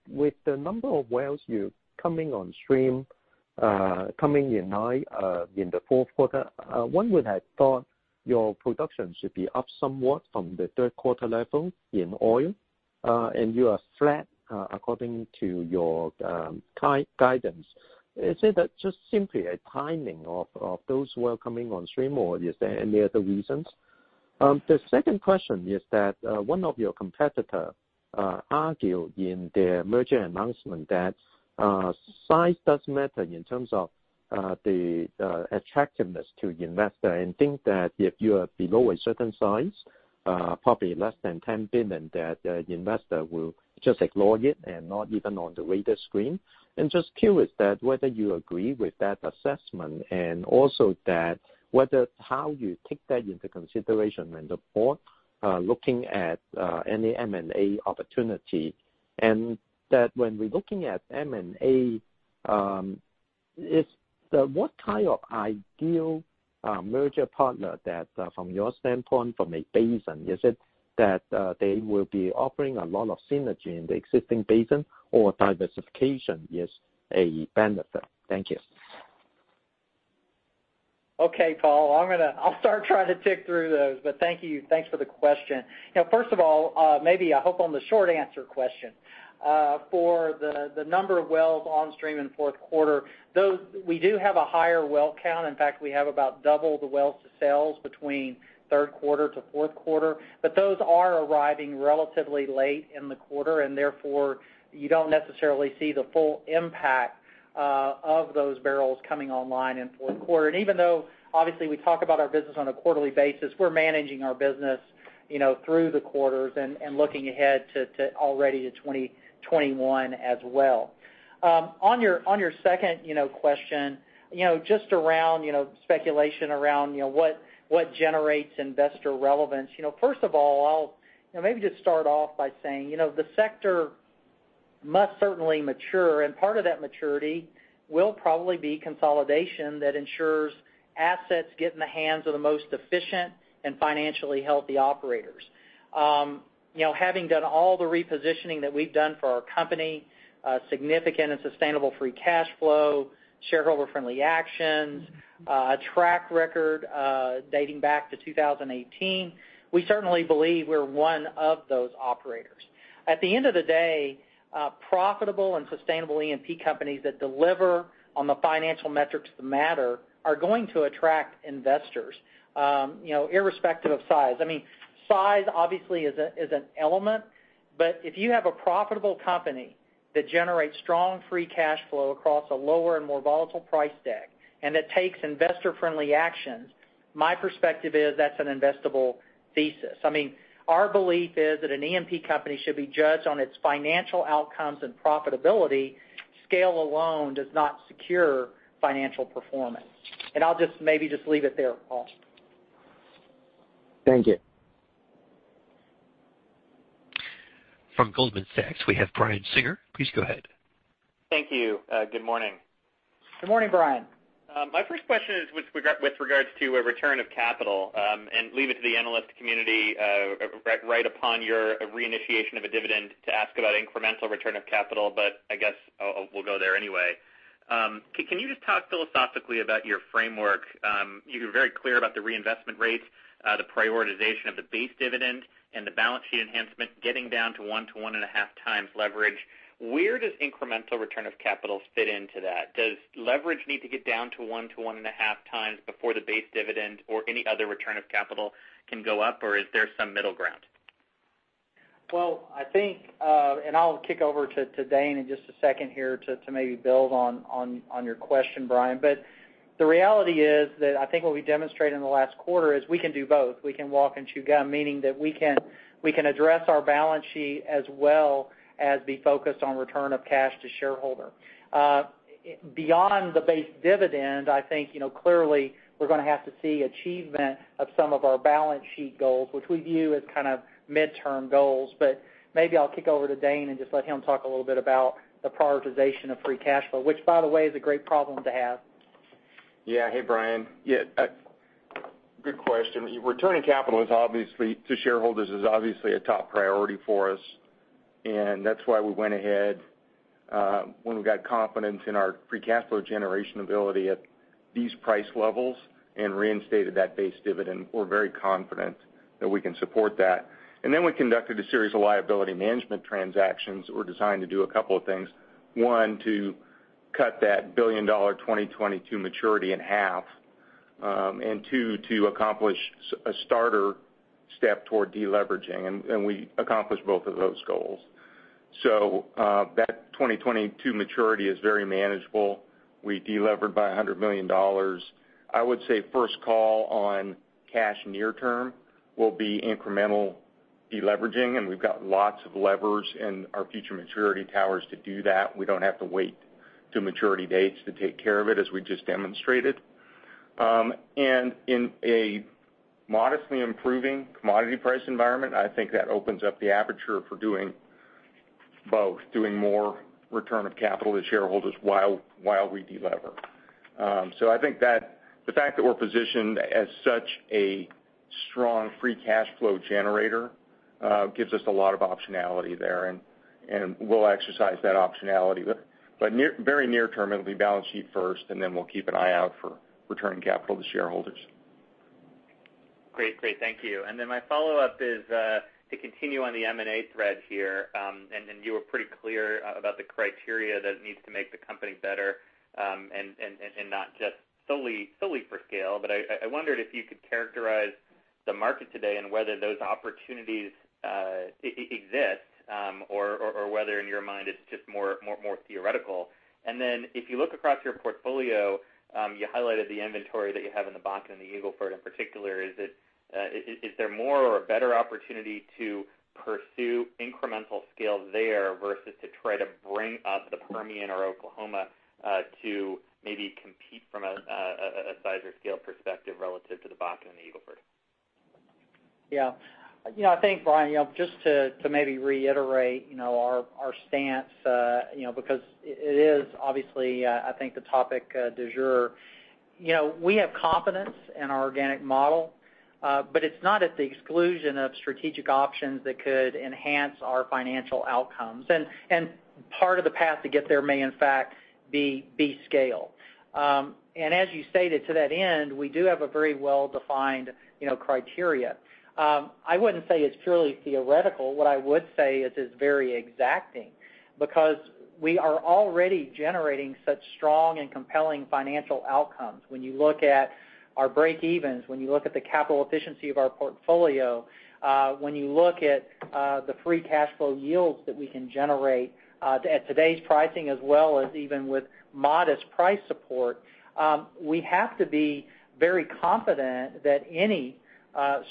with the number of wells coming on stream, coming in the fourth quarter, one would have thought your production should be up somewhat from the third quarter level in oil. You are flat according to your guidance. Is it that just simply a timing of those well coming on stream, or is there any other reasons? The second question is that one of your competitor argued in their merger announcement that size does matter in terms of the attractiveness to investor, and think that if you are below a certain size, probably less than $10 billion, that the investor will just ignore it and not even on the radar screen. I'm just curious that whether you agree with that assessment, and also how you take that into consideration going forward looking at any M&A opportunity. That when we're looking at M&A, what kind of ideal merger partner that from your standpoint, from a basin, is it that they will be offering a lot of synergy in the existing basin or diversification is a benefit? Thank you. Okay, Paul, I'll start trying to tick through those. Thank you. Thanks for the question. First of all, maybe I hope on the short answer question. For the number of wells on stream in fourth quarter, we do have a higher well count. In fact, we have about double the wells to sales between third quarter to fourth quarter. Those are arriving relatively late in the quarter. Therefore, you don't necessarily see the full impact of those barrels coming online in fourth quarter. Even though, obviously, we talk about our business on a quarterly basis, we're managing our business through the quarters and looking ahead already to 2021 as well. On your second question, just around speculation around what generates investor relevance. First of all, I'll maybe just start off by saying the sector must certainly mature, and part of that maturity will probably be consolidation that ensures assets get in the hands of the most efficient and financially healthy operators. Having done all the repositioning that we've done for our company, significant and sustainable free cash flow, shareholder-friendly actions, a track record dating back to 2018. We certainly believe we're one of those operators. At the end of the day, profitable and sustainable E&P companies that deliver on the financial metrics that matter are going to attract investors irrespective of size. Size obviously is an element, but if you have a profitable company that generates strong free cash flow across a lower and more volatile price deck, and that takes investor-friendly actions, my perspective is that's an investable thesis. Our belief is that an E&P company should be judged on its financial outcomes and profitability. Scale alone does not secure financial performance. I'll just maybe just leave it there, Paul. Thank you. From Goldman Sachs, we have Brian Singer. Please go ahead. Thank you. Good morning. Good morning, Brian. My first question is with regards to a return of capital, leave it to the analyst community right upon your reinitiation of a dividend to ask about incremental return of capital, I guess I will go there anyway. Can you just talk philosophically about your framework? You were very clear about the reinvestment rates, the prioritization of the base dividend, and the balance sheet enhancement, getting down to 1x-1.5x leverage. Where does incremental return of capital fit into that? Does leverage need to get down to 1x-1.5x before the base dividend or any other return of capital can go up, or is there some middle ground? Well, I think, I'll kick over to Dane in just a second here to maybe build on your question, Brian. The reality is that I think what we demonstrated in the last quarter is we can do both. We can walk and chew gum, meaning that we can address our balance sheet as well as be focused on return of cash to shareholder. Beyond the base dividend, I think, clearly, we're gonna have to see achievement of some of our balance sheet goals, which we view as kind of midterm goals. Maybe I'll kick over to Dane and just let him talk a little bit about the prioritization of free cash flow, which by the way, is a great problem to have. Hey, Brian. Good question. Returning capital is obviously to shareholders, is obviously a top priority for us, and that's why we went ahead when we got confidence in our free cash flow generation ability at these price levels and reinstated that base dividend. We're very confident that we can support that. We conducted a series of liability management transactions that were designed to do a couple of things. One, to cut that $1 billion 2022 maturity in half. Two, to accomplish a starter step toward deleveraging, and we accomplished both of those goals. That 2022 maturity is very manageable. We delevered by $100 million. I would say first call on cash near term will be incremental deleveraging, and we've got lots of levers in our future maturity towers to do that. We don't have to wait till maturity dates to take care of it, as we just demonstrated. In a modestly improving commodity price environment, I think that opens up the aperture for doing both, doing more return of capital to shareholders while we delever. I think that the fact that we're positioned as such a strong free cash flow generator gives us a lot of optionality there, and we'll exercise that optionality. Very near term, it'll be balance sheet first, and then we'll keep an eye out for returning capital to shareholders. Great. Thank you. Then my follow-up is to continue on the M&A thread here. You were pretty clear about the criteria that it needs to make the company better, and not just solely for scale, but I wondered if you could characterize the market today and whether those opportunities exist, or whether in your mind it's just more theoretical. Then if you look across your portfolio, you highlighted the inventory that you have in the Bakken and the Eagle Ford in particular. Is there more or a better opportunity to pursue incremental scale there versus to try to bring up the Permian or Oklahoma, to maybe compete from a size or scale perspective relative to the Bakken and the Eagle Ford? Yeah. I think, Brian, just to maybe reiterate our stance, because it is obviously, I think the topic du jour. We have confidence in our organic model, but it's not at the exclusion of strategic options that could enhance our financial outcomes. Part of the path to get there may, in fact, be scale. As you stated to that end, we do have a very well-defined criteria. I wouldn't say it's purely theoretical. What I would say is it's very exacting, because we are already generating such strong and compelling financial outcomes. When you look at our breakevens, when you look at the capital efficiency of our portfolio, when you look at the free cash flow yields that we can generate at today's pricing as well as even with modest price support, we have to be very confident that any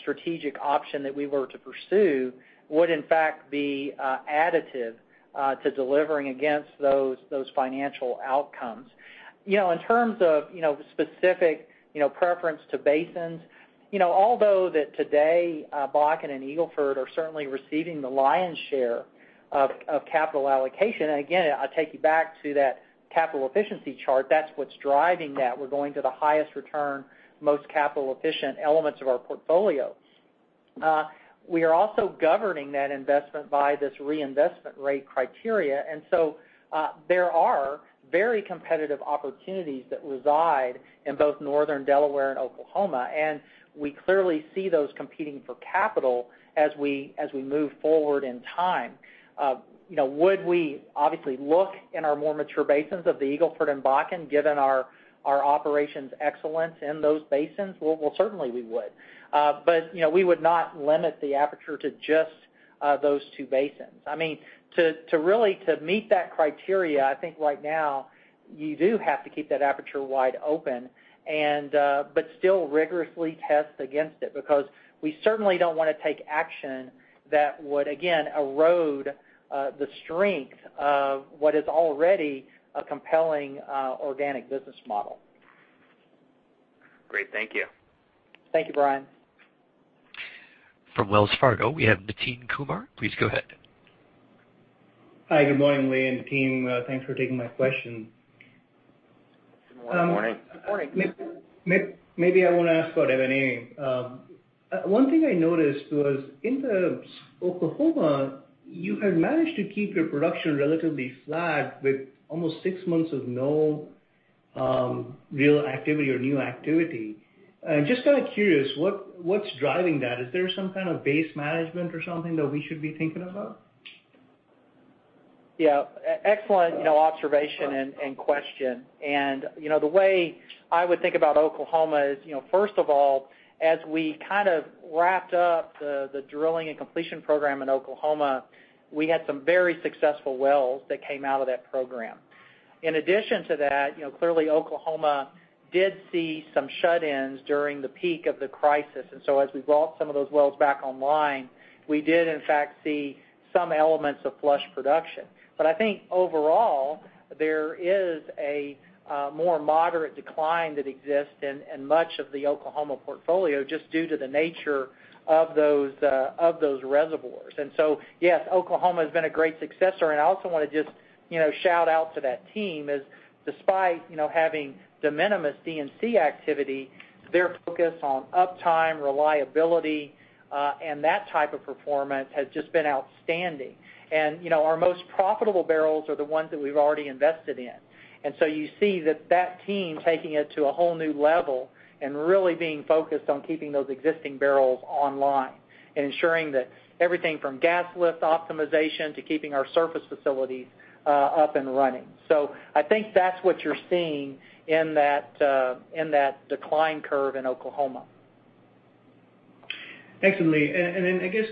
strategic option that we were to pursue would in fact be additive to delivering against those financial outcomes. In terms of specific preference to basins, although today Bakken and Eagle Ford are certainly receiving the lion's share of capital allocation, and again, I'll take you back to that capital efficiency chart. That's what's driving that. We're going to the highest return, most capital efficient elements of our portfolio. We are also governing that investment by this reinvestment rate criteria, and so there are very competitive opportunities that reside in both Northern Delaware and Oklahoma, and we clearly see those competing for capital as we move forward in time. Would we obviously look in our more mature basins of the Eagle Ford and Bakken given our operations excellence in those basins? Well, certainly we would. But we would not limit the aperture to just those two basins. To really to meet that criteria, I think right now you do have to keep that aperture wide open, but still rigorously test against it, because we certainly don't want to take action that would, again, erode the strength of what is already a compelling organic business model. Great. Thank you. Thank you, Brian. From Wells Fargo, we have Nitin Kumar. Please go ahead. Hi. Good morning, Lee and team. Thanks for taking my question. Good morning. Morning. Maybe I want to ask about Oklahoma. One thing I noticed was in Oklahoma, you had managed to keep your production relatively flat with almost six months of no real activity or new activity. Just kind of curious, what's driving that? Is there some kind of base management or something that we should be thinking about? Yeah. Excellent observation and question. The way I would think about Oklahoma is, first of all, as we kind of wrapped up the drilling and completion program in Oklahoma, we had some very successful wells that came out of that program. In addition to that, clearly Oklahoma did see some shut-ins during the peak of the crisis. As we brought some of those wells back online, we did in fact see some elements of flush production. I think overall, there is a more moderate decline that exists in much of the Oklahoma portfolio just due to the nature of those reservoirs. Yes, Oklahoma has been a great successor. I also want to just shout out to that team, as despite having de minimis D&C activity, their focus on uptime, reliability, and that type of performance has just been outstanding. Our most profitable barrels are the ones that we've already invested in. You see that team taking it to a whole new level and really being focused on keeping those existing barrels online, and ensuring that everything from gas lift optimization to keeping our surface facilities up and running. I think that's what you're seeing in that decline curve in Oklahoma. I guess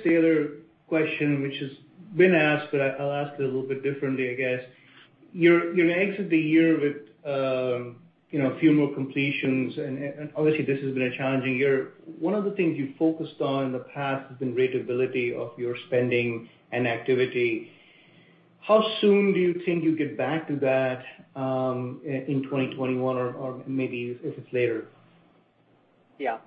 the other question, which has been asked, but I'll ask it a little bit differently, I guess. You're going to exit the year with a few more completions, and obviously this has been a challenging year. One of the things you focused on in the past has been ratability of your spending and activity. How soon do you think you'll get back to that in 2021, or maybe if it's later? Yeah.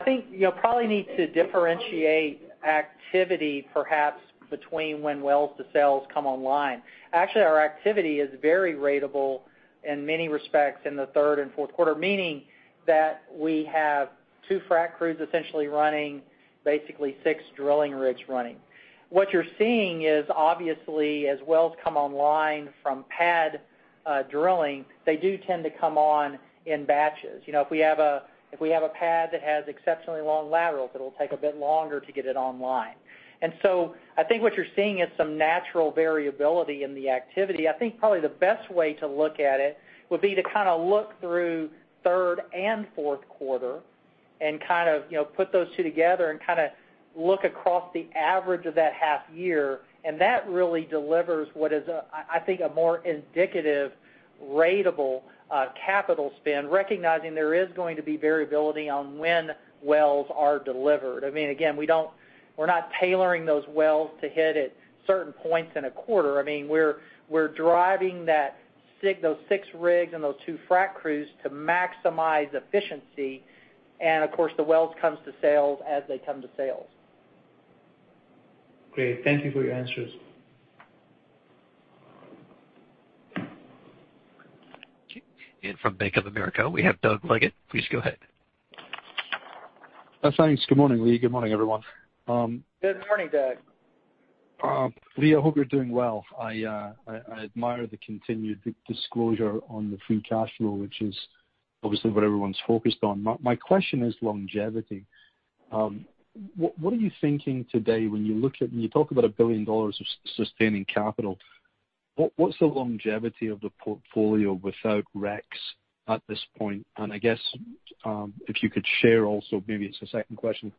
I think you probably need to differentiate activity perhaps between when wells to sales come online. Actually, our activity is very ratable in many respects in the third and fourth quarter, meaning that we have two frack crews essentially running basically six drilling rigs running. What you're seeing is obviously as wells come online from pad drilling, they do tend to come on in batches. If we have a pad that has exceptionally long laterals, it'll take a bit longer to get it online. I think what you're seeing is some natural variability in the activity. I think probably the best way to look at it would be to look through third and fourth quarter and put those two together and look across the average of that half year, and that really delivers what is, I think, a more indicative ratable capital spend, recognizing there is going to be variability on when wells are delivered. Again, we're not tailoring those wells to hit at certain points in a quarter. We're driving that those six rigs and those two frack crews to maximize efficiency. Of course, the wells comes to sales as they come to sales. Great. Thank you for your answers. From Bank of America, we have Doug Leggate. Please go ahead. Thanks. Good morning, Lee. Good morning, everyone. Good morning, Doug. Lee, I hope you're doing well. I admire the continued disclosure on the free cash flow, which is obviously what everyone's focused on. My question is longevity. What are you thinking today when you look at, when you talk about $1 billion of sustaining capital, what's the longevity of the portfolio without REx at this point? I guess, if you could share also, maybe it's a second question, if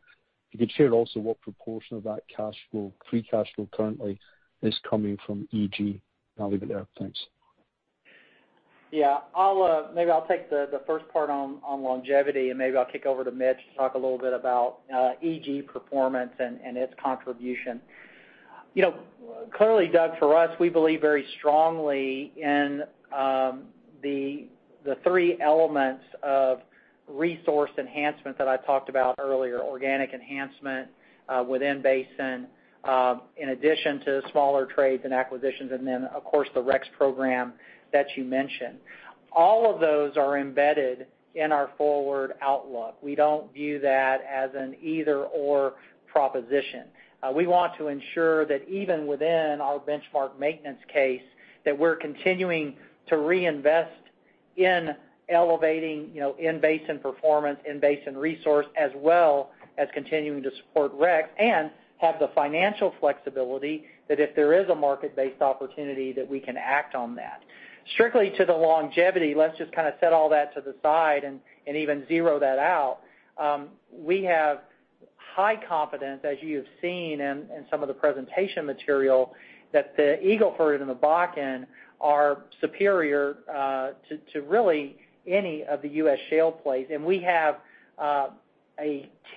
you could share also what proportion of that cash flow, free cash flow currently is coming from EG. I'll leave it there. Thanks. Yeah. Maybe I'll take the first part on longevity, and maybe I'll kick over to Mitch Little to talk a little bit about EG performance and its contribution. Clearly, Doug Leggate, for us, we believe very strongly in the three elements of resource enhancement that I talked about earlier: organic enhancement within basin, in addition to smaller trades and acquisitions, and then of course, the REx program that you mentioned. All of those are embedded in our forward outlook. We don't view that as an either/or proposition. We want to ensure that even within our benchmark maintenance case, that we're continuing to reinvest in elevating in-basin performance, in-basin resource, as well as continuing to support REx, and have the financial flexibility that if there is a market-based opportunity, that we can act on that. Strictly to the longevity, let's just set all that to the side and even zero that out. We have high confidence, as you have seen in some of the presentation material, that the Eagle Ford and the Bakken are superior to really any of the U.S. shale plays. We have a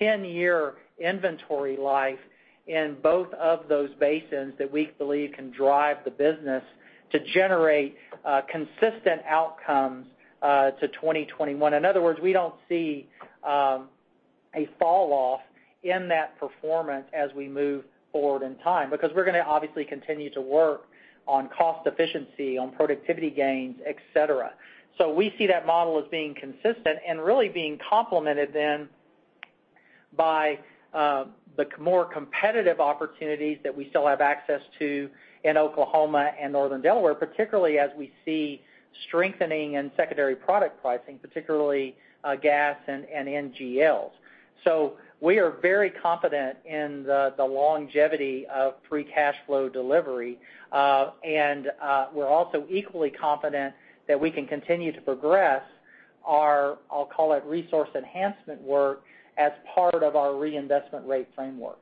10-year inventory life in both of those basins that we believe can drive the business to generate consistent outcomes to 2021. In other words, we don't see a fall-off in that performance as we move forward in time, because we're going to obviously continue to work on cost efficiency, on productivity gains, et cetera. We see that model as being consistent and really being complemented then by the more competitive opportunities that we still have access to in Oklahoma and Northern Delaware, particularly as we see strengthening in secondary product pricing, particularly gas and NGLs. We are very confident in the longevity of free cash flow delivery. We're also equally confident that we can continue to progress our, I'll call it resource enhancement work, as part of our reinvestment rate framework.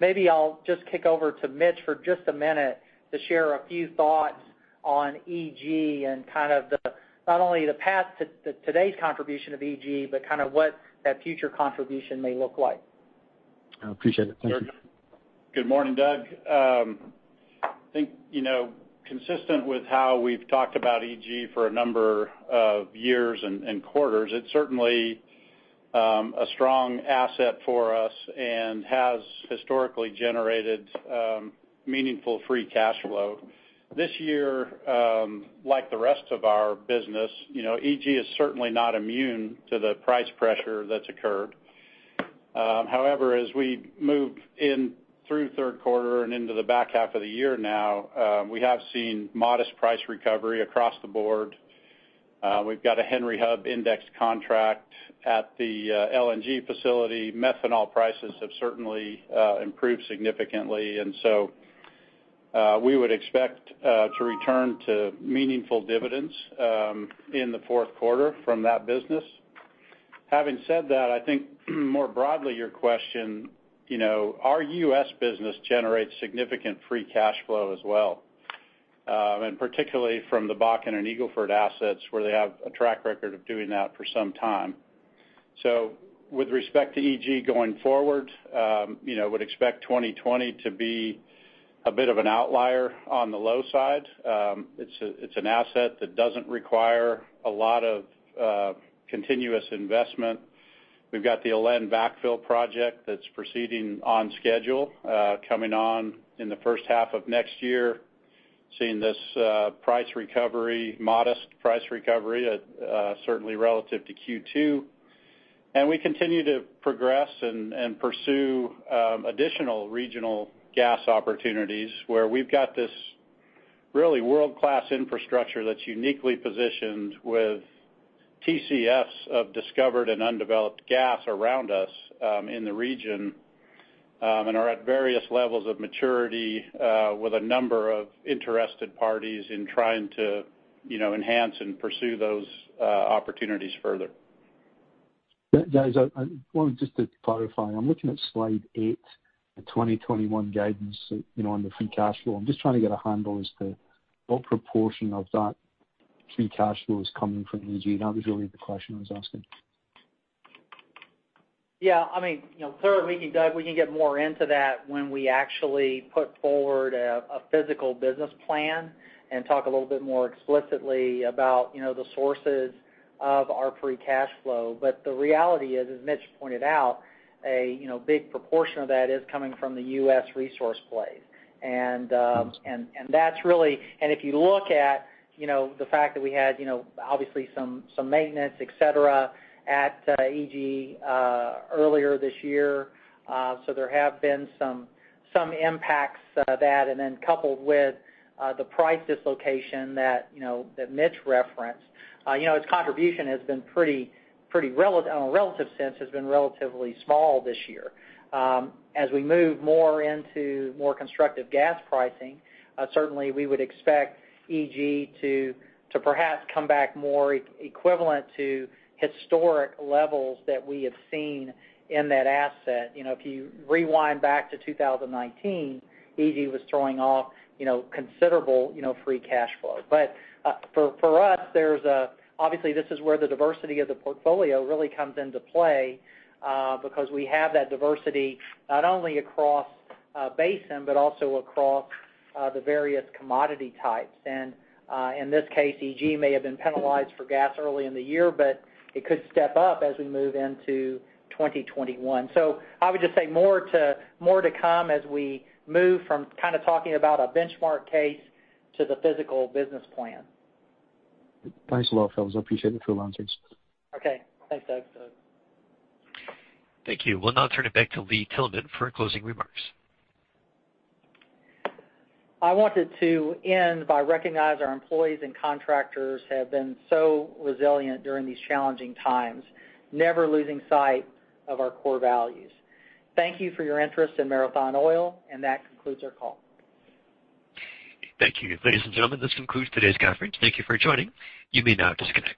Maybe I'll just kick over to Mitch for just a minute to share a few thoughts on EG and kind of the, not only the path to today's contribution of EG, but what that future contribution may look like. I appreciate it. Thank you. Good morning, Doug. I think, consistent with how we've talked about EG for a number of years and quarters, it's certainly a strong asset for us and has historically generated meaningful free cash flow. This year, like the rest of our business, EG is certainly not immune to the price pressure that's occurred. As we move in through third quarter and into the back half of the year now, we have seen modest price recovery across the board. We've got a Henry Hub index contract at the LNG facility. Methanol prices have certainly improved significantly, and so we would expect to return to meaningful dividends in the fourth quarter from that business. Having said that, I think more broadly, your question, our U.S. business generates significant free cash flow as well. Particularly from the Bakken and Eagle Ford assets where they have a track record of doing that for some time. With respect to EG going forward, would expect 2020 to be a bit of an outlier on the low side. It's an asset that doesn't require a lot of continuous investment. We've got the Alba backfill project that's proceeding on schedule, coming on in the first half of next year. Seeing this price recovery, modest price recovery, certainly relative to Q2. We continue to progress and pursue additional regional gas opportunities where we've got this really world-class infrastructure that's uniquely positioned with Tcf of discovered and undeveloped gas around us in the region, and are at various levels of maturity with a number of interested parties in trying to enhance and pursue those opportunities further. Guys, I wanted just to clarify, I'm looking at slide eight, the 2021 guidance on the free cash flow. I'm just trying to get a handle as to what proportion of that free cash flow is coming from EG. That was really the question I was asking. Surely, Doug, we can get more into that when we actually put forward a physical business plan and talk a little bit more explicitly about the sources of our free cash flow. The reality is, as Mitch pointed out, a big proportion of that is coming from the U.S. resource plays. If you look at the fact that we had obviously some maintenance, et cetera, at EG earlier this year, so there have been some impacts of that. Coupled with the price dislocation that Mitch referenced, its contribution has been, on a relative sense, has been relatively small this year. As we move more into more constructive gas pricing, certainly we would expect EG to perhaps come back more equivalent to historic levels that we have seen in that asset. If you rewind back to 2019, EG was throwing off considerable free cash flow. For us, obviously this is where the diversity of the portfolio really comes into play, because we have that diversity not only across basin, but also across the various commodity types. In this case, EG may have been penalized for gas early in the year, but it could step up as we move into 2021. I would just say more to come as we move from talking about a benchmark case to the physical business plan. Thanks a lot, lee. I appreciate the full answers. Okay. Thanks, Doug. Thank you. We'll now turn it back to Lee Tillman for closing remarks. I wanted to end by recognize our employees and contractors have been so resilient during these challenging times, never losing sight of our core values. Thank you for your interest in Marathon Oil, and that concludes our call. Thank you. Ladies and gentlemen, this concludes today's conference. Thank you for joining. You may now disconnect.